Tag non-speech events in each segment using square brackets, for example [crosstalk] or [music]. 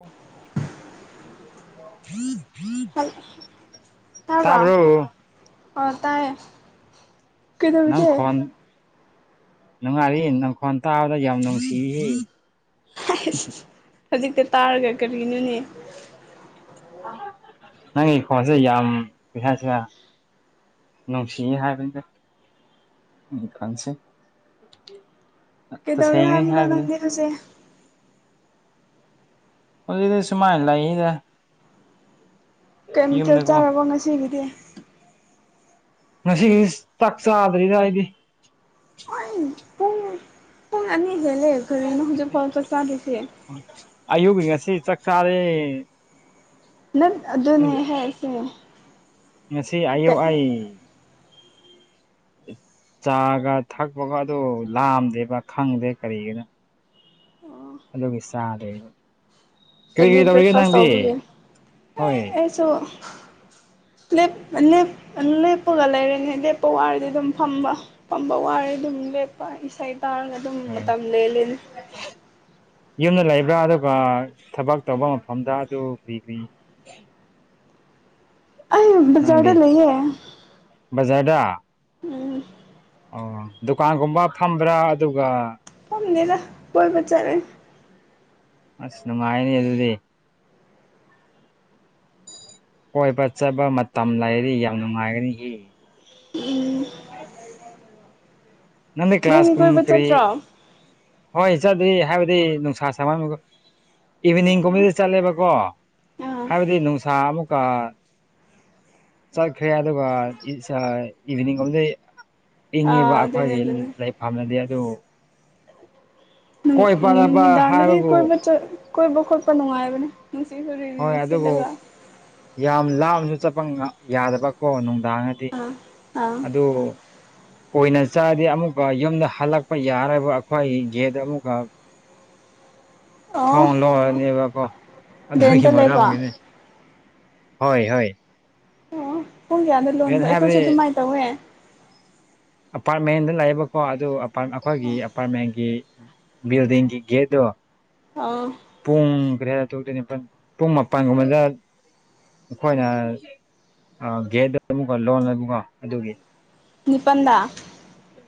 ꯑꯣ [unintelligible] ꯍꯜ [unintelligible] ꯇꯥꯕ꯭ꯔꯣ ꯑꯣ ꯇꯥꯏꯑꯦ ꯅꯪ ꯈꯣꯟ ꯅꯨꯡꯉꯥꯏꯔꯤ ꯅꯪ ꯈꯣꯟ ꯇꯥꯕꯗ ꯌꯥꯝ ꯅꯨꯡꯁꯤꯌꯦ [unintelligible] ꯍꯩꯁ ꯍꯧꯖꯤꯛꯇ ꯇꯥꯔꯒ ꯀꯔꯤꯅꯣꯅꯦ [unintelligible] ꯅꯪꯒꯤ ꯈꯣꯟꯁꯦ ꯌꯥꯝ ꯀꯩ ꯍꯥꯏꯁꯤꯔ ꯅꯨꯡꯁꯤ ꯍꯥꯏꯕꯅꯤꯗ [unintelligible] ꯈꯟꯁꯦ [unintelligible] ꯑ ꯇꯁꯦꯡꯅꯤ ꯍꯥꯏꯕꯅꯤ [unintelligible] ꯁꯦ ꯍꯧꯖꯤꯛꯇꯤ ꯁꯨꯃꯥꯏ ꯂꯩꯗ ꯀꯩ ꯃꯊꯦꯜ ꯌꯨꯝꯗꯀꯣ ꯆꯥꯔꯕꯣ ꯉꯁꯤꯒꯤꯗꯤ ꯉꯁꯤꯒꯤꯗꯤ ꯆꯥꯛ ꯆꯥꯗ꯭ꯔꯤꯗ ꯑꯩꯗꯤ ꯑꯩ ꯄꯨꯡ ꯄꯨꯡ ꯑꯅꯤ ꯍꯦꯟꯂꯦ ꯀꯔꯤꯅꯣ ꯍꯧꯖꯤꯛ ꯐꯧ ꯆꯥꯛ ꯆꯥꯗꯤꯁꯤ [unintelligible] ꯑꯌꯨꯛꯀꯤ ꯉꯁꯤ ꯆꯥꯛ ꯆꯥꯔꯦ ꯅꯠ ꯑꯗꯨꯅꯦ ꯍꯥꯏꯁꯦ ꯉꯁꯤ ꯑꯌꯨꯛ ꯑꯩ ꯆꯥꯒ ꯊꯛꯄꯀꯣ ꯑꯗꯨ ꯂꯥꯝꯗꯦꯕ ꯈꯪꯗꯦ ꯀꯔꯤꯒꯤꯅꯣ [unintelligible] ꯑꯣ ꯑꯗꯨꯒꯤ ꯆꯥꯗꯦꯕ ꯀꯔꯤ ꯍꯦꯕꯤ ꯀꯔꯤ ꯇꯧꯔꯤꯒꯦ ꯕ꯭ꯔꯦꯛꯐꯥꯁ ꯅꯪꯗꯤ ꯍꯣꯏ ꯁꯣ [unintelligible] ꯂꯦꯞ ꯂꯦꯞ ꯑꯂꯦꯞꯄꯒ ꯂꯩꯔꯦꯅꯦ ꯂꯦꯞꯄ ꯋꯥꯔꯗꯤ ꯑꯗꯨꯝ ꯐꯝꯕ ꯐꯝꯕ ꯋꯥꯔꯦ ꯑꯗꯨꯝ ꯂꯦꯞꯄ ꯏꯁꯩ ꯇꯥꯔꯒ ꯑꯗꯨꯝ ꯍꯣꯏ ꯃꯇꯝ ꯂꯦꯜꯂꯤ ꯌꯨꯝꯗ ꯂꯩꯕ꯭ꯔꯥ ꯑꯗꯨꯒ ꯊꯕꯛ ꯇꯧꯕ ꯃꯐꯝꯗ ꯑꯗꯨ ꯀ꯭ꯔꯤ ꯀ꯭ꯔꯤ ꯑꯩ ꯕꯖꯥꯔꯗ ꯅꯪꯗꯤ ꯂꯩꯌꯦ ꯕꯖꯥꯔꯗ ꯎꯝ ꯑꯣ ꯗꯨꯀꯥꯟꯒꯨꯝꯕ ꯐꯝꯕ꯭ꯔꯥ ꯑꯗꯨꯒ ꯐꯝꯗꯦꯗ ꯇꯣꯏꯕ ꯆꯠꯂꯦ ꯑꯁ ꯅꯨꯡꯉꯥꯏꯅꯦ ꯑꯗꯨꯗꯤ ꯀꯣꯏꯕ ꯆꯠꯕ ꯃꯇꯝ ꯂꯩꯔꯗꯤ ꯌꯥꯝ ꯅꯨꯡꯉꯥꯏꯒꯅꯤꯍꯦ [unintelligible] ꯅꯪꯗꯤ ꯀ꯭ꯂꯥꯁ ꯀꯨꯝ ꯀꯣꯏꯕ ꯀꯔꯤ ꯆꯠꯇ꯭ꯔꯣ ꯍꯣꯏ ꯆꯠꯂꯤ ꯍꯥꯏꯕꯗꯤ ꯅꯨꯡꯁꯥ ꯁꯥꯃꯟꯕꯀꯣ ꯏꯚꯤꯅꯤꯡꯒꯨꯝꯕꯗꯤ ꯆꯠꯂꯦꯕꯀꯣ ꯑꯥ ꯍꯥꯏꯕꯗꯤ ꯅꯨꯡꯁꯥ ꯑꯃꯨꯛꯀ ꯆꯠꯈ꯭ꯔꯦ ꯑꯗꯨꯒ ꯏꯁ ꯑ ꯏꯚꯤꯅꯤꯡꯒꯨꯝꯕꯗꯩ ꯏꯡꯉꯦꯕ ꯑꯥ ꯑꯗꯨꯅꯦ ꯑꯗꯨꯅꯦ ꯂꯩ ꯐꯝꯅꯗꯤ ꯑꯗꯨ [inaudible] ꯄꯥꯅꯕ ꯅꯨꯃꯤꯗꯥꯡꯗꯗꯤ ꯍꯥꯏꯕꯕꯨ ꯀꯣꯏꯕ ꯆꯠ ꯀꯣꯏꯕ ꯈꯣꯠꯄ ꯅꯨꯡꯉꯥꯏꯕꯅꯦ ꯅꯨꯡꯁꯤꯠꯀ ꯔꯤ ꯔꯤ ꯍꯣꯏ ꯑꯗꯨꯕꯨ ꯁꯤꯠꯂꯒ ꯌꯥꯝ ꯂꯥꯞꯅ ꯆꯠꯄ ꯉ ꯌꯥꯗꯕꯀꯣ ꯅꯨꯡꯗꯥꯡꯗꯗꯤ [unintelligible] ꯑꯥ ꯑꯣ ꯀꯣꯏꯅ ꯆꯠꯑꯗꯤ ꯑꯃꯨꯛꯀ ꯌꯨꯝꯗ ꯍꯜꯂꯛꯄ ꯌꯥꯔꯕ ꯑꯈꯣꯏ ꯒꯦꯠꯇ ꯑꯃꯨꯛꯀ ꯑꯣ ꯊꯣꯡ ꯂꯣꯟꯂꯅꯦꯕꯀꯣ ꯑꯗꯨꯒꯤ ꯔꯦꯟꯇ ꯂꯩꯕ ꯃꯔꯝꯒꯤꯅꯤ ꯍꯣꯏ ꯍꯣꯏ ꯑꯣ ꯑꯣ ꯄꯨꯡ ꯀꯌꯥꯗ ꯔꯦꯟ ꯂꯣꯟꯕ ꯑꯩꯈꯣꯏꯁꯨ ꯍꯥꯏꯕꯗꯤ ꯑꯗꯨꯃꯥꯏ ꯇꯧꯋꯦ ꯑꯄꯥꯔꯠꯃꯦꯟꯗ ꯂꯩꯌꯦꯕꯀꯣ ꯑꯗꯨ ꯑꯄꯥꯝ ꯑꯈꯣꯏꯒꯤ ꯑꯄꯥꯔꯠꯃꯦꯟꯒꯤ [unintelligible] ꯕꯤꯜꯗꯤꯡꯒꯤ ꯒꯦꯠꯇꯨ ꯑꯧ ꯄꯨꯡ [unintelligible] ꯄꯨꯡ ꯃꯄꯥꯟꯒꯨꯝꯕꯗ ꯑꯈꯣꯏꯅ ꯑꯥ ꯒꯦꯠꯗꯣ ꯑꯃꯛꯀꯥ ꯂꯣꯟꯂꯦꯕꯀꯣ ꯑꯗꯨꯒꯤ ꯅꯤꯄꯟꯗꯥ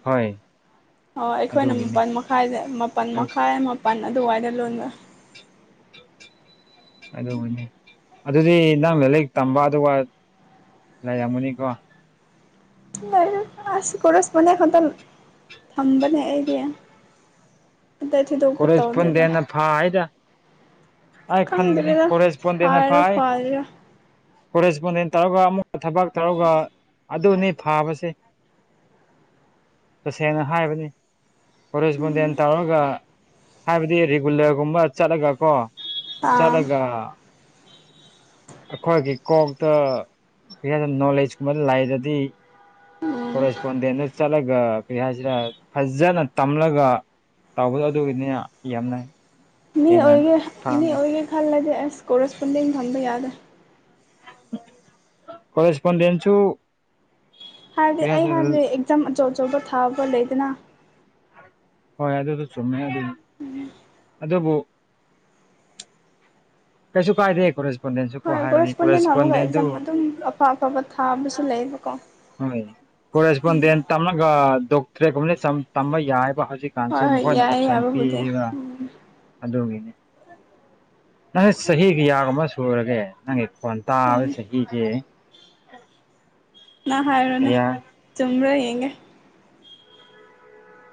ꯍꯣꯏ ꯑꯣ ꯑꯩꯈꯣꯏꯅ ꯑꯗꯨꯒꯤꯅꯤ ꯃꯥꯄꯜ ꯃꯈꯥꯏꯗ ꯃꯥꯄꯜ ꯑꯩꯁ ꯃꯈꯥꯏ ꯃꯥꯄꯜ ꯑꯗꯨꯋꯥꯏꯗ ꯂꯣꯟꯕ ꯑꯗꯨꯕꯨꯅꯤ ꯑꯗꯨꯗꯤ ꯅꯪ ꯂꯥꯂꯤꯛ ꯇꯝꯕ ꯑꯗꯨꯋꯥꯏ ꯂꯩꯔꯝꯒꯥꯅꯤꯀꯣ [unintelligible] ꯑꯁ ꯀꯣꯔꯁꯄꯣꯟꯗꯦꯟ ꯈꯛꯇꯪ ꯊꯝꯕꯅꯦ ꯑꯩꯗꯤ ꯑꯇꯩ ꯊꯣꯏꯗꯣꯛꯄ ꯀꯣꯔꯦꯖ ꯇꯧꯗꯦꯕ ꯄꯣꯟꯗꯦꯟꯅ ꯐꯥꯏꯗ ꯑꯩ ꯈꯥꯟꯒꯥꯅꯤ ꯈꯪꯗ꯭ꯔꯦꯗ ꯀꯣꯔꯦꯖ ꯄꯣꯟꯗꯦꯟꯅ ꯐꯥꯔꯤꯔꯥ ꯐꯥꯏ ꯐꯥꯗ꯭ꯔꯤꯔꯥ ꯀꯣꯂꯦꯖ ꯄꯣꯟꯗꯦꯟ ꯇꯧꯔꯒꯥ ꯑꯃꯨꯛꯀꯥ ꯊꯕꯛ ꯇꯧꯔꯒ ꯑꯗꯨꯅꯤ ꯐꯥꯕꯁꯦ ꯇꯥꯁꯦꯡꯅ ꯍꯥꯏꯕꯅꯤ ꯀꯣꯔꯦꯁꯄꯣꯟꯗꯦꯟ ꯇꯧꯔꯒ ꯍꯥꯏꯕꯗꯤ ꯔꯤꯒꯨꯂꯔꯒꯨꯝꯕ ꯆꯠꯂꯒꯥ ꯀꯣ ꯑꯥ ꯆꯠꯂꯒꯥ ꯑꯈꯣꯏꯒꯤ ꯀꯣꯛꯇꯥ ꯀꯩ ꯍꯥꯏꯗ ꯅꯣꯂꯦꯖꯀꯨꯝꯕ ꯂꯩꯔꯥꯗꯤ ꯀꯣꯔꯦꯁꯄꯣꯟꯗꯦꯟꯗꯣ ꯆꯠꯂꯒꯥ ꯀꯩ ꯍꯥꯏꯁꯤꯔꯥ ꯐꯖꯅ ꯇꯝꯂꯒꯥ ꯇꯥꯎꯕꯗꯣ ꯑꯗꯨꯒꯤꯅꯤ ꯌꯥꯝꯅ ꯃꯤ ꯍꯦꯟꯅ ꯑꯣꯏꯒꯦ ꯃꯤ ꯐꯥꯕꯅꯤ ꯑꯣꯏꯒꯦ ꯈꯜꯂꯗꯤ ꯑꯁ ꯀꯣꯔꯦꯁꯄꯣꯟꯗꯤꯡ ꯊꯝꯕ ꯌꯥꯗꯦ ꯀꯣꯔꯦꯁꯄꯣꯟꯗꯦꯟꯁꯨ ꯍꯥꯏꯕꯗꯤ ꯀꯔꯤ ꯑꯩ ꯍꯥꯏꯁꯤꯔ ꯍꯥꯏꯕꯗꯤ ꯑꯦꯛꯖꯥꯝ ꯑꯆꯧ ꯑꯆꯧꯕ ꯊꯥꯕ ꯂꯩꯗꯅ ꯍꯣꯏ ꯑꯗꯨꯗꯣ ꯆꯨꯝꯃꯦ ꯑꯗꯨ ꯑꯗꯨꯕꯨ ꯀꯩꯁꯨ ꯀꯥꯏꯗꯦ ꯀꯣꯔꯦꯁ ꯍꯣꯏ ꯀꯣꯔꯦꯁꯄꯣꯟꯗꯦꯟ ꯑꯃꯨꯛꯒꯥ ꯑꯦꯛꯖꯥꯝ ꯑꯗꯨꯝ ꯑꯐ ꯑꯐꯕ ꯊꯥꯕꯁꯨ ꯂꯩꯌꯦꯕꯀꯣ ꯍꯣꯏ ꯀꯣꯔꯦꯁꯄꯣꯟꯗꯦꯟ ꯇꯝꯃꯒꯥ ꯗꯣꯛꯇ꯭ꯔꯦꯒꯨꯝꯕꯅ ꯆꯝ ꯇꯝꯕ ꯌꯥꯏꯑꯕ ꯍꯧꯖꯤꯛ ꯀꯥꯟꯁꯦ ꯍꯣꯏ ꯍꯣꯏ ꯃꯈꯣꯏꯅ ꯌꯥꯏ ꯑꯣꯞꯁꯟ ꯌꯥꯕꯕꯨꯗꯤ ꯄꯤꯔꯤꯕ ꯎꯝ ꯑꯗꯨꯒꯤꯅꯤ ꯅꯪ ꯆꯍꯤ ꯀꯌꯥꯒꯨꯝꯕ ꯁꯨꯔꯒꯦ ꯅꯪꯒꯤ ꯈꯣꯟ ꯇꯥꯕ ꯎꯝ ꯆꯍꯤꯁꯦ ꯅꯪ ꯍꯥꯏꯔꯣꯅꯦ ꯀꯌꯥ ꯆꯨꯝꯕ꯭ꯔꯥ ꯌꯦꯡꯒꯦ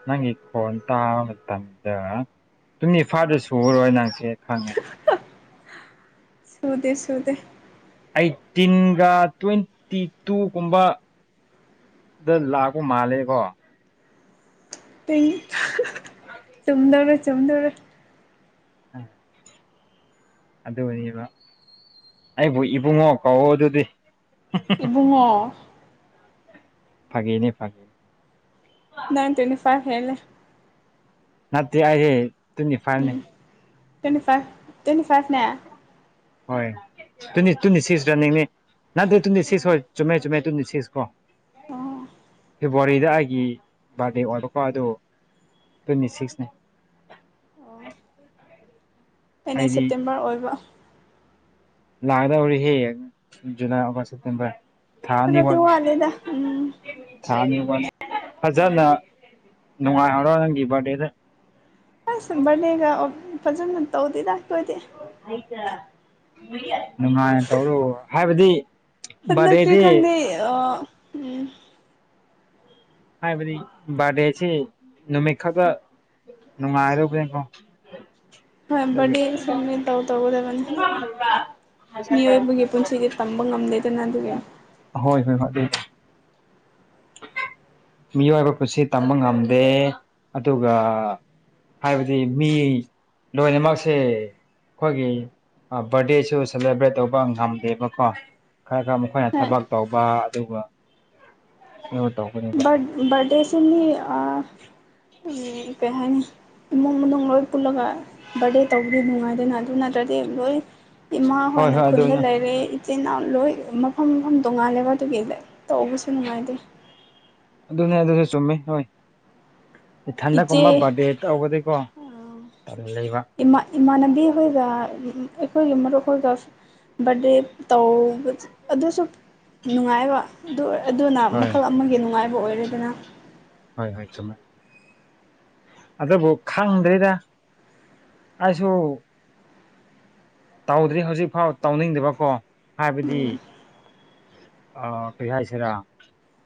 ꯅꯪꯒꯤ ꯈꯣꯟ ꯇꯥꯕ ꯃꯇꯝꯗꯥ ꯇꯨꯡꯅꯤꯐꯥꯗ ꯁꯨꯔꯣꯏ ꯅꯪꯁꯦ ꯈꯪꯉꯦ [unintelligible] ꯁꯨꯗꯦ ꯁꯨꯗꯦ ꯑꯩꯇꯤꯟꯒꯥ ꯇ꯭ꯋꯦꯟ ꯇꯤ ꯇꯨ ꯒꯨꯝꯕ ꯗꯥ ꯂꯥꯛꯄ ꯃꯥꯜꯂꯦꯀꯣ ꯇ꯭ꯋꯤꯡ ꯆꯨꯝꯗꯧꯔꯦ ꯆꯨꯝꯗꯧꯔꯦ ꯑꯥ ꯑꯗꯨꯅꯦꯕ ꯑꯩꯕꯨ ꯏꯕꯨꯡꯉꯣ ꯀꯧꯋꯣ ꯑꯗꯨꯗꯤ ꯏꯕꯨꯡꯉꯣ ꯐꯥꯒꯤꯅꯤ ꯐꯥꯒꯤ ꯅꯥꯏꯟ ꯇ꯭ꯋꯦꯟꯇꯤ ꯐꯥꯏꯚ ꯍꯦꯜꯂꯦ ꯅꯠꯇꯦ ꯑꯥꯏꯍꯦ ꯇꯨꯅꯤ ꯐꯥꯏꯚꯅꯤ ꯎꯝ ꯇ꯭ꯋꯦꯟꯇꯤ ꯐꯥꯏꯚ ꯇ꯭ꯋꯦꯟꯇꯤ ꯐꯥꯏꯚꯅꯦ ꯍꯣꯏ ꯇꯨꯅꯤ ꯇꯨꯅꯤ ꯁꯤꯁꯔꯥꯅꯦꯃꯦ ꯅꯠꯇꯦ ꯇꯨꯅꯤ ꯁꯤꯁ ꯍꯣꯏ ꯆꯨꯝꯃꯦ ꯆꯨꯝꯃꯦ ꯇꯨꯅꯤ ꯁꯤꯁ ꯀꯣ ꯑꯣ ꯐꯦꯕꯋꯥꯔꯤꯗ ꯑꯩꯒꯤ ꯕꯥꯔꯗꯦ ꯑꯣꯏꯕꯀꯣ ꯑꯗꯨ ꯇ꯭ꯋꯦꯟꯇꯤ ꯁꯤꯛꯁꯅꯦ ꯑꯣ ꯑꯩꯅꯦ ꯑꯩꯗꯤ ꯁꯦꯞꯇꯦꯝꯕꯔ ꯑꯣꯏꯕ ꯂꯥꯛꯗꯧꯔꯦꯍꯦ ꯖꯨꯂꯥꯏ ꯑꯣꯒꯁ ꯁꯦꯞꯇꯦꯝꯕꯔ ꯊꯥ ꯑꯅꯤ ꯈꯔꯗꯤ ꯋꯥꯠꯂꯤ ꯋꯥꯠꯂꯤꯗ ꯎꯝ ꯊꯥ ꯑꯅꯤ ꯋꯥꯠꯂꯤ ꯑꯥ ꯐꯖꯅ ꯅꯨꯡꯉꯥꯏꯍꯧꯔꯣ ꯅꯪꯒꯤ ꯕꯥꯔꯗꯦꯗ ꯑꯁ ꯕꯔꯗꯦꯒ ꯐꯖꯅ ꯇꯧꯗꯦꯗ ꯑꯩꯈꯣꯏꯗꯤ ꯅꯨꯡꯉꯥꯏꯅ ꯇꯧꯔꯣ ꯍꯥꯏꯕꯗꯤ ꯍꯟꯗꯛꯇꯤ ꯕꯥꯔꯗꯦꯗꯤ ꯈꯪꯗꯦ ꯑ ꯎꯝ ꯍꯥꯏꯕꯗꯤ ꯕꯥꯔꯗꯦꯁꯤ ꯅꯨꯃꯤ ꯈꯛꯇ [unintelligible] ꯍꯣꯏ ꯑꯗꯨꯒꯤ ꯕ꯭ꯔꯥꯠꯗꯦꯖꯦ ꯁꯦꯝꯗꯦ ꯇꯧ ꯇꯧꯒꯗꯕꯅꯤ ꯃꯤꯑꯣꯏꯕꯒꯤ ꯄꯨꯟꯁꯤꯗꯤ ꯇꯝꯕ ꯉꯝꯗꯦꯗꯅ ꯑꯗꯨꯒꯤ ꯍꯣꯏ ꯍꯣꯏ ꯃꯥ ꯑꯗꯨ ꯃꯤꯑꯣꯏꯕ ꯄꯨꯟꯁꯤ ꯇꯝꯕ ꯉꯝꯗꯦ ꯑꯗꯨꯒ ꯍꯥꯏꯕꯗꯤ ꯃꯤ ꯂꯣꯏꯅꯃꯛꯁꯦ ꯑꯩꯈꯣꯏꯒꯤ ꯕꯔꯗꯦꯁꯨ ꯁꯦꯂꯦꯕ꯭ꯔꯦꯠ ꯇꯧꯕ ꯉꯝꯗꯦꯕꯀꯣ ꯈꯔ ꯈꯔ ꯑꯩꯈꯣꯏꯅ ꯍꯣꯏ ꯊꯕꯛ ꯇꯧꯕ ꯑꯗꯨꯒ [unintelligible] ꯕꯔꯗꯦꯁꯤ ꯃꯤ ꯑ ꯀꯩ ꯍꯥꯏꯅꯤ ꯏꯃꯨꯡ ꯃꯅꯨꯡ ꯂꯣꯏ ꯄꯨꯜꯂꯒ ꯕꯥꯔꯗꯦ ꯇꯧꯕꯗꯤ ꯅꯨꯡꯉꯥꯏꯗꯅ ꯑꯗꯨ ꯅꯠꯇ꯭ꯔꯗꯤ ꯂꯣꯏ ꯏꯃꯥ ꯍꯣꯏ ꯍꯣꯏꯅ ꯍꯣꯏ ꯈꯨꯟꯗ ꯑꯗꯨꯅ ꯂꯩꯔꯦ ꯏꯆꯤꯜ ꯏꯅꯥꯎ ꯂꯣꯏ ꯃꯐꯝ ꯃꯐꯝ ꯇꯣꯡꯉꯥꯜꯂꯦꯕ ꯑꯗꯨꯒꯤ ꯇꯧꯕꯁꯨ ꯅꯨꯡꯉꯥꯏꯇꯦ ꯑꯗꯨꯅꯦ ꯑꯗꯨꯖꯨ ꯆꯨꯝꯃꯤ ꯍꯣꯏ ꯏꯊꯟꯗ ꯒꯨꯝꯕ ꯏꯆꯦ ꯕꯥꯔꯗꯦ ꯇꯧꯕꯗꯤꯀꯣ ꯇꯜꯂꯦꯕ ꯥ ꯏꯃꯥꯟꯅꯕꯤ ꯈꯣꯏꯒ ꯑꯩꯈꯣꯏꯒꯤ ꯃꯔꯨꯞꯈꯣꯏꯒ ꯕꯥꯔꯗꯦ ꯇꯧꯕ ꯑꯗꯨꯁꯨ ꯅꯨꯡꯉꯥꯏꯕ ꯑꯗꯨ ꯑꯣꯏ ꯑꯗꯨꯅ ꯍꯣꯏ ꯃꯈꯜ ꯑꯃꯒꯤ ꯅꯨꯡꯉꯥꯏꯕ ꯑꯣꯏꯔꯦꯗꯅ ꯍꯣꯏ ꯍꯣꯏ ꯆꯨꯝꯃꯦ ꯑꯗꯨꯕꯨ ꯈꯪꯗ꯭ꯔꯤꯗ ꯑꯩꯁꯨ ꯇꯧꯗ꯭ꯔꯤ ꯍꯧꯖꯤꯛ ꯐꯥꯎ ꯇꯧꯅꯤꯡꯗꯕꯀꯣ ꯍꯥꯏꯕꯗꯤ ꯑ ꯀꯩ ꯍꯥꯏꯁꯤꯔꯥ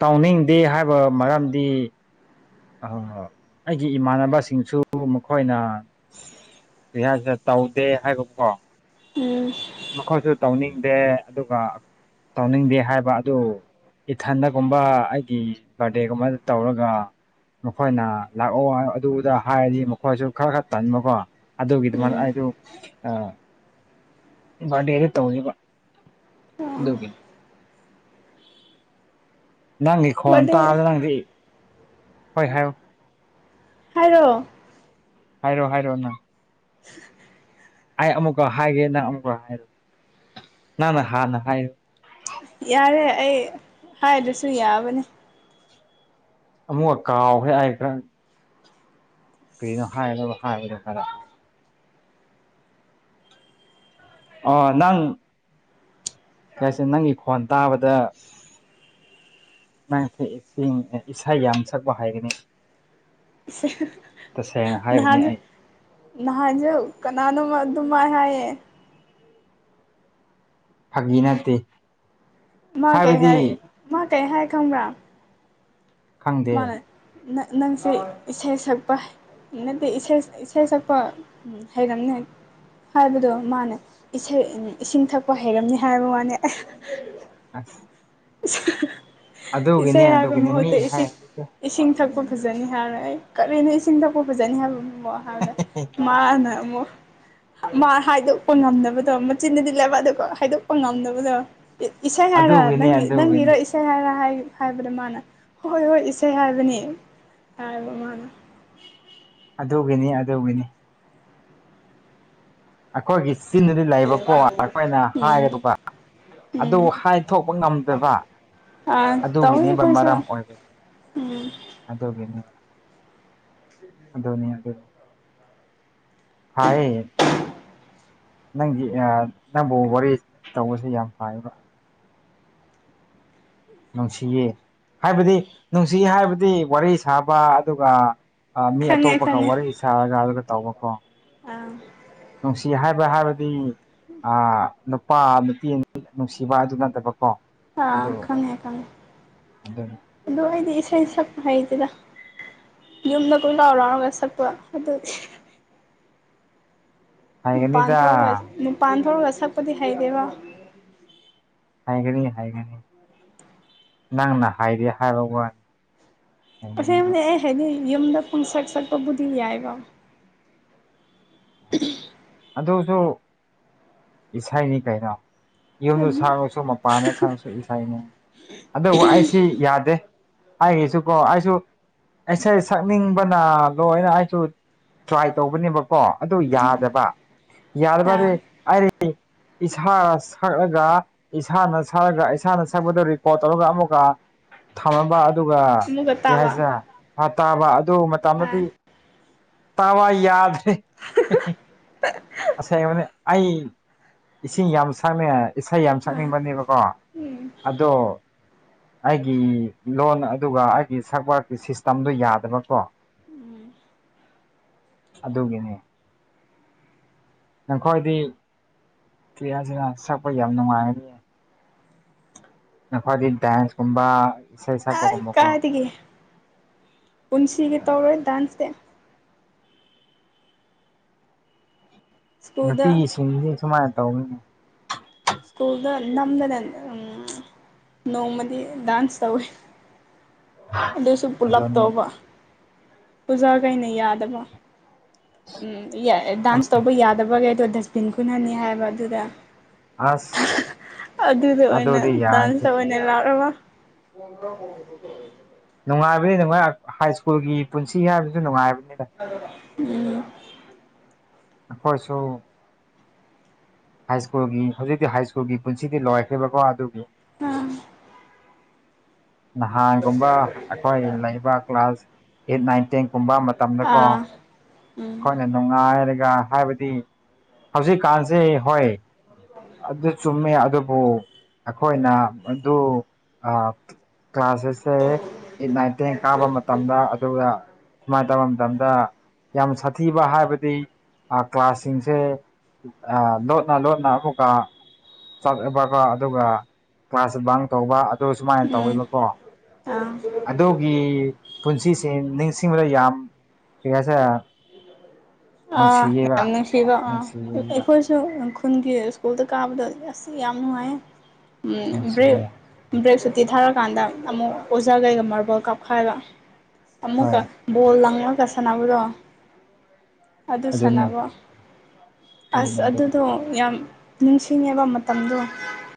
ꯇꯧꯅꯤꯡꯗꯦ ꯍꯥꯏꯕ ꯃꯔꯝꯗꯤ ꯑ ꯑꯩꯒꯤ ꯏꯃꯥꯟꯅꯕꯁꯤꯡꯁꯨ ꯃꯈꯣꯏꯅ ꯔꯤꯍꯁꯗ ꯇꯧꯗꯦ ꯍꯥꯏꯕꯀꯣ ꯎꯝ ꯃꯈꯣꯏꯁꯨ ꯇꯧꯅꯤꯡꯗꯦ ꯑꯗꯨꯒ ꯇꯧꯅꯤꯡꯗꯦ ꯍꯥꯏꯕ ꯑꯗꯨ ꯏꯊꯟꯗꯒꯨꯝꯕ ꯑꯩꯒꯤ ꯕꯥꯔꯗꯦꯒꯨꯝꯕꯗ ꯇꯧꯔꯒ ꯃꯈꯣꯏꯅ ꯂꯥꯛꯑꯣ ꯑꯗꯨꯗ ꯍꯥꯏꯔꯗꯤ ꯃꯈꯣꯏꯁꯨ ꯈꯔ ꯈꯔ ꯇꯟꯕꯀꯣ ꯑꯗꯨꯒꯤꯗꯃꯛ ꯎꯝ ꯑꯗꯨ ꯕꯥꯔꯗꯦꯖꯤ ꯇꯧꯗꯕ ꯑꯗꯨꯒꯤ ꯅꯪꯒꯤ ꯈꯣꯟ ꯕꯥꯔꯗꯦ ꯇꯥꯂ ꯅꯪꯗꯤ ꯍꯣꯏ ꯍꯥꯏꯌꯨ ꯍꯥꯏꯔꯣ ꯍꯥꯏꯔꯣ ꯍꯥꯏꯔꯣ ꯅꯪ [inaudible] ꯑꯩ ꯑꯃꯨꯛꯀ ꯍꯥꯏꯒꯦ ꯅꯪ ꯑꯃꯨꯛꯀ ꯍꯥꯏꯔꯣ ꯅꯪꯅ ꯍꯥꯟꯅ ꯍꯥꯏꯌꯨ ꯌꯥꯔꯦ ꯑꯩ ꯍꯥꯏꯗꯔꯁꯨ ꯌꯥꯕꯅꯤ ꯑꯃꯨꯛ ꯀꯥꯎꯈ꯭ꯔꯦ [unintelligible] ꯀꯩꯅꯣ ꯍꯥꯏꯗꯧꯕ ꯍꯥꯏꯕꯗꯣ ꯈꯔ ꯑꯣ ꯅꯪ ꯀꯁꯦ ꯅꯪꯒꯤ ꯈꯣꯟ ꯇꯥꯕꯗ ꯅꯪꯁꯦ ꯑꯦꯛꯇꯤꯡ ꯏꯁꯩ ꯌꯥꯝ ꯁꯛꯄ ꯍꯥꯏꯒꯅꯤ ꯇꯁꯦꯡꯅ ꯍꯥꯏꯕꯅꯤ ꯅꯍꯥꯁꯨ ꯑꯩ ꯅꯍꯥꯁꯨ ꯀꯅꯥꯅꯣꯃ ꯑꯗꯨꯃꯥꯏ ꯍꯥꯏꯌꯦ ꯐꯥꯒꯤ ꯅꯠꯇꯦ ꯃꯥ ꯀꯩ ꯍꯥꯏꯕꯗꯤ ꯍꯥꯏ ꯃꯥ ꯀꯩ ꯍꯥꯏ ꯈꯪꯕ꯭ꯔꯥ ꯈꯪꯗꯦ ꯃꯥꯅ ꯅꯪꯁꯦ ꯏꯁꯩ ꯁꯛꯄ ꯍꯩ ꯅꯠꯇꯦ ꯏꯁꯩ ꯏꯁꯩ ꯁꯛꯄ ꯎꯝ ꯍꯩꯔꯝꯅꯦ ꯍꯥꯏꯕꯗꯣ ꯃꯥꯅꯦ ꯏꯁꯤꯡ ꯊꯛꯄ ꯍꯩꯔꯝꯅꯤ ꯍꯥꯏꯕ ꯋꯥꯅꯦ ꯑ ꯏꯁꯩ ꯍꯥꯏꯕ ꯑꯗꯨꯒꯤꯅꯤ ꯃꯤ ꯃꯍꯨꯠꯇ ꯏꯁꯤꯡ ꯍꯥꯏꯕꯗꯤ ꯏꯁꯤꯡ ꯊꯛꯄ ꯐꯖꯅꯤ ꯍꯥꯏꯔ ꯑꯩ ꯀꯔꯤꯅꯣ ꯏꯁꯤꯡ ꯊꯛꯄ ꯐꯖꯅꯤ ꯍꯥꯏꯕ [unintelligible] ꯃꯥꯅ ꯑꯃꯨꯛ ꯃꯥ ꯍꯥꯏꯗꯣꯛꯄ ꯉꯝꯅꯕꯗꯣ ꯃꯆꯤꯟꯅꯗꯤ ꯂꯩꯕꯗꯣ ꯍꯥꯏꯗꯣꯛꯄ ꯉꯝꯅꯕꯗꯣ ꯏꯁꯩ ꯍꯥꯏꯔ ꯑꯗꯨꯒꯤꯅꯤ ꯅꯪꯒꯤ ꯑꯗꯨꯒꯤꯅꯤ ꯏꯁꯩ ꯍꯥꯏꯔ ꯍꯥꯏ ꯍꯥꯏꯕꯗ ꯃꯥꯅ ꯍꯣꯏ ꯍꯣꯏ ꯏꯁꯩ ꯍꯥꯏꯕꯅꯤ ꯍꯥꯏꯕ ꯃꯥꯅ ꯑꯗꯨꯒꯤꯅꯤ ꯑꯗꯨꯒꯤꯅꯤ ꯑꯩꯈꯣꯏꯒꯤ ꯆꯟꯗꯗꯤ ꯂꯩꯕꯀꯣ ꯑꯩꯈꯣꯏꯅ ꯎꯝ ꯍꯥꯏꯒꯗꯕ ꯑꯗꯨꯕꯨ ꯎꯝ ꯍꯥꯏ ꯊꯣꯛꯄ ꯉꯝꯗꯕ ꯑꯥ ꯇꯧꯋꯤ ꯑꯗꯨꯒꯤꯅꯦꯕ ꯑꯩꯈꯣꯏꯁꯨ ꯃꯔꯝ ꯑꯣꯏꯕꯁ ꯎꯝ ꯑꯗꯨꯒꯤꯅꯦ ꯑꯗꯨꯅꯤ ꯑꯗꯣꯅꯦꯗ ꯍꯥꯏꯌꯦ ꯅꯪꯒꯤ ꯅꯪꯕꯨ ꯋꯥꯔꯤ ꯇꯧꯕꯁꯦ ꯌꯥꯝ ꯐꯥꯏꯌꯦꯕ ꯅꯨꯡꯁꯤꯌꯦ ꯍꯥꯏꯕꯗꯤ ꯅꯨꯡꯁꯤꯌꯦ ꯍꯥꯏꯕꯗꯤ ꯋꯥꯔꯤ ꯁꯥꯕ ꯑꯗꯨꯒ ꯃꯤ ꯈꯪꯉꯦ ꯑꯇꯣꯞꯄꯒ ꯈꯪꯉꯦ ꯋꯥꯔꯤ ꯁꯥꯔꯒ ꯑꯗꯨꯒ ꯇꯧꯕꯀꯣ ꯑꯥ ꯅꯨꯡꯁꯤ ꯍꯥꯏꯕ ꯍꯥꯏꯕꯗꯤ ꯑꯥ ꯅꯨ ꯄꯥ ꯅꯨꯄꯤ ꯅꯨꯡꯁꯤꯕ ꯑꯗꯨ ꯅꯠꯇꯕ ꯀꯣ ꯑꯥ ꯈꯪꯉꯦ ꯈꯪꯉꯦ ꯑꯗꯨ ꯑꯗꯨ ꯑꯩꯗꯤ ꯏꯁꯩ ꯁꯛꯄ ꯍꯩꯇꯦꯗ ꯌꯨꯝꯗ ꯀꯣꯏꯂꯥꯎ ꯂꯥꯎꯔꯒ ꯁꯛꯄ ꯑꯗꯨꯗꯤ ꯃꯄꯥꯟ ꯍꯩꯒꯅꯤꯗ ꯊꯣꯛꯂꯒ ꯃꯄꯥꯟ ꯊꯣꯛꯂꯒ ꯁꯛꯄꯗꯤ ꯍꯩꯇꯦꯕ ꯍꯩꯒꯅꯤ ꯍꯩꯒꯅꯤ ꯅꯪꯅ ꯍꯩꯗꯦ ꯍꯥꯏꯕ ꯋꯥꯅꯤ ꯍꯩꯒꯅꯤꯕ ꯇꯁꯦꯡꯕꯅꯦ ꯑꯩ ꯍꯥꯏꯗꯤ ꯌꯨꯝꯗ ꯄꯨꯡꯁꯛ ꯁꯛꯄꯕꯨꯗꯤ ꯌꯥꯏꯕ [unintelligible] ꯑꯗꯨꯁꯨ ꯏꯁꯩꯅꯤ ꯀꯩꯅꯣ ꯌꯨꯝꯗ ꯑꯥ ꯁꯛꯔꯁꯨ ꯃꯄꯥꯟꯗ ꯁꯛꯑꯁꯨ ꯏꯁꯩꯅ ꯑꯗꯨꯕꯨ ꯑꯩꯁꯤ ꯌꯥꯗꯦ ꯑꯩꯒꯤꯁꯨꯀꯣ ꯑꯩꯁꯨ ꯏꯁꯩ ꯁꯛꯅꯤꯡꯕꯅ ꯂꯣꯏꯔꯦ ꯑꯩꯁꯨ ꯇ꯭ꯔꯥꯏ ꯇꯧꯕꯅꯦꯕ ꯀꯣ ꯑꯗꯨ ꯌꯥꯗꯕ ꯌꯥꯔꯕꯗꯤ ꯑꯩ ꯏꯁꯥ ꯁꯛꯔꯒ ꯏꯁꯥꯅ ꯁꯛꯔꯒ ꯏꯁꯥꯅ ꯁꯛꯄꯗ ꯔꯦꯀꯣꯔꯠ ꯇꯧꯔꯒ ꯑꯃꯨꯛꯀ ꯊꯝꯂꯝꯕ ꯑꯗꯨꯒ ꯑꯃꯨꯛꯀ ꯀꯩ ꯇꯥꯕ ꯍꯥꯏꯁꯤꯔ ꯇꯥꯕ ꯑꯗꯨ ꯑꯥ ꯃꯇꯝꯗꯗꯤ ꯇꯥ [unintelligible] ꯌꯥꯗꯔ꯭ꯦ ꯑꯁꯦꯡꯕꯅꯦ ꯑꯩ ꯏꯁꯤꯡ ꯌꯥꯝ ꯁꯛꯅꯩ ꯏꯁꯩ ꯌꯥꯝ ꯑꯥ ꯁꯛꯅꯤꯡꯕꯅꯦꯕꯀꯣ ꯎꯝ ꯑꯗꯣ ꯑꯩꯒꯤ ꯂꯣꯟ ꯑꯗꯨꯒ ꯑꯩꯒꯤ ꯁꯛꯄꯒꯤ ꯁꯤꯁꯇꯝꯗꯣ ꯌꯥꯗꯕꯀꯣ ꯑꯗꯨꯒꯤꯅꯦ ꯅꯈꯣꯏꯗꯤ ꯀꯔꯤ ꯍꯥꯢꯁꯤꯔ ꯁꯛꯄ ꯌꯥꯝ ꯅꯨꯡꯉꯥꯏꯒꯅꯤ ꯅꯈꯣꯏꯗꯤ ꯗꯥꯥꯟꯁ ꯀꯨꯝꯕ ꯏꯁꯩ ꯁꯛ ꯍꯩꯠ ꯀꯥꯏꯗꯒꯤ ꯄꯨꯟꯁꯤꯒꯤ ꯇꯧꯔꯣꯏ ꯗꯥꯟꯁꯇꯤ ꯁ꯭ꯀꯨꯜꯗ ꯅꯨꯄꯤꯁꯤꯡꯁꯦ ꯁꯨꯃꯥꯏꯅ ꯇꯧꯏꯅꯦ ꯁ꯭ꯀꯨꯜꯗ ꯅꯝꯗꯅ ꯑꯝ ꯅꯣꯡꯃꯗꯤ ꯗꯥꯥꯟꯁ ꯇꯧꯋꯦ ꯑꯗꯨꯁꯨ ꯄꯨꯂꯞ ꯑꯗꯨꯅꯤ ꯇꯧꯕ ꯑꯣꯖꯥꯒꯩꯅ ꯌꯥꯗꯕ ꯗꯥꯟꯁ ꯇꯧꯕ ꯌꯥꯗꯕꯒꯩꯗꯣ ꯗꯁꯕꯤꯟ ꯈꯨꯟꯍꯅꯤ ꯍꯥꯏꯕ ꯑꯗꯨꯗ ꯑꯁ ꯑꯗꯨꯗ ꯑꯣꯏꯅ ꯑꯗꯨꯗꯤ ꯗꯥꯟꯁ ꯌꯥꯔꯅꯤ ꯇꯧꯋꯦꯅꯦ ꯂꯥꯛꯔꯒ ꯀꯣꯟ [unintelligible] ꯅꯨꯡꯉꯥꯏꯕꯅꯤ ꯅꯨꯡꯉꯥꯏ ꯍꯥꯏꯁ꯭ꯀꯨꯜꯒꯤ ꯄꯨꯟꯁꯤ ꯍꯥꯏꯕꯁꯤ ꯅꯨꯡꯉꯥꯏꯕꯅꯤꯗ ꯎꯝ ꯑꯩꯈꯣꯏꯁꯨ ꯍꯥꯏꯁ꯭ꯀꯨꯜꯒꯤ ꯍꯧꯖꯤꯛꯇꯤ ꯍꯥꯏꯁ꯭ꯀꯨꯜꯒꯤ ꯄꯨꯟꯁꯤꯗꯤ ꯂꯣꯏꯈ꯭ꯔꯦꯕꯀꯣ ꯑꯗꯨꯒꯤ ꯑꯥ ꯅꯍꯥꯟꯒꯨꯝꯕ ꯑꯩꯈꯣꯏ ꯂꯩꯕ ꯀ꯭ꯂꯥꯁ ꯑꯦꯠ ꯅꯥꯏꯟ ꯇꯦꯟ ꯀꯨꯝꯕ ꯃꯇꯝꯗꯀꯣ ꯑꯥ ꯎꯝ ꯑꯩꯈꯣꯏꯅ ꯅꯨꯡꯉꯥꯏꯔꯒ ꯍꯥꯏꯕꯗꯤ ꯍꯧꯖꯤꯛ ꯀꯥꯟꯁꯦ ꯍꯣꯏ ꯑꯗꯨ ꯆꯨꯝꯃꯦ ꯑꯗꯨꯕꯨ ꯑꯩꯈꯣꯏꯅ ꯑꯗꯨ ꯀ꯭ꯂꯥꯁꯦꯁꯦ ꯑꯩꯠ ꯅꯥꯏꯟ ꯇꯦꯟ ꯀꯥꯕ ꯃꯇꯝꯗ ꯑꯗꯨꯒ ꯁꯨꯃꯥꯏꯅ ꯇꯧꯕ ꯃꯇꯝꯗ ꯌꯥꯝ ꯁꯥꯊꯤꯕ ꯍꯥꯏꯕꯗꯤ ꯀ꯭ꯂꯥꯁ ꯁꯤꯡꯁꯦ ꯑꯥ ꯂꯣꯟꯅ ꯂꯣꯟꯅ ꯑꯃꯨꯛꯀ ꯆꯠꯕꯀꯣ ꯑꯗꯨꯒ ꯀ꯭ꯂꯥꯁꯁꯦ ꯕꯪ ꯇꯧꯕ ꯑꯗꯨ ꯁꯨꯃꯥꯏꯅ ꯎꯝ ꯇꯧꯋꯦꯕ ꯀꯣ ꯑꯥ ꯑꯗꯨꯒꯤ ꯄꯨꯟꯁꯤꯁꯦ ꯅꯤꯡꯁꯤꯡꯂ ꯌꯥꯝ ꯀꯩ ꯍꯥꯏꯁꯤꯔ ꯑꯥ ꯅꯨꯡꯁꯤꯌꯦꯕ ꯌꯥꯝ ꯅꯨꯡꯁꯤꯕ ꯑꯥ ꯅꯨꯡꯁꯤꯌꯦꯕ ꯑꯩꯈꯣꯏ [unintelligible] ꯈꯨꯟꯒꯤ ꯁ꯭ꯀꯨꯜꯗ ꯀꯥꯕꯗꯣ ꯑꯁ ꯌꯥꯝ ꯅꯨꯡꯉꯥꯏ ꯕ꯭ꯔꯦꯛ ꯅꯨꯡꯁꯤꯌꯦ ꯕ꯭ꯔꯦꯛ ꯁꯨꯇꯤ ꯊꯥꯔꯀꯥꯟꯗ ꯑꯃꯨꯛ ꯑꯣꯖꯥꯈꯩꯒ ꯃꯥꯔꯕꯜ ꯀꯥꯞꯈꯥꯏꯒ ꯑꯃꯨꯛꯀ ꯍꯣꯏ ꯕꯜꯣ ꯂꯪꯉꯒ ꯁꯥꯟꯅꯕꯗꯣ ꯑꯗꯨ ꯑꯗꯨꯅꯤ ꯁꯥꯟꯅꯕ ꯑꯁ ꯑꯗꯨꯅꯤ ꯑꯗꯨꯅꯤ ꯑꯗꯨꯗꯣ ꯌꯥꯝ ꯅꯤꯡꯁꯤꯡꯉꯦꯕ ꯃꯇꯝꯗꯨ